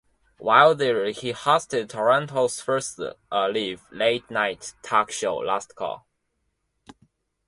While there, he hosted Toronto's first live, late night talk show "Last Call".